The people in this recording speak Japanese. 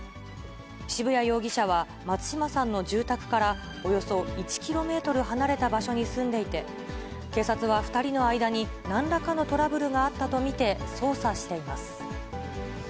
渋谷容疑者は、松島さんの住宅からおよそ１キロメートル離れた場所に住んでいて、警察は２人の間になんらかのトラブルがあったと見て捜査しています。